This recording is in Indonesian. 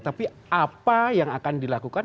tapi apa yang akan dilakukan